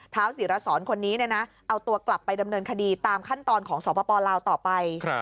ศิรสรคนนี้เอาตัวกลับไปดำเนินคดีตามขั้นตอนของสปลาวต่อไป